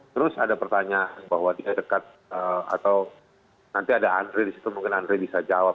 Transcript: terus ada pertanyaan bahwa dia dekat atau nanti ada andre di situ mungkin andre bisa jawab